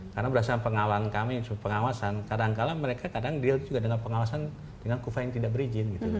karena berdasarkan pengawasan kami kadang kadang mereka deal juga dengan pengawasan dengan kufa yang tidak berizin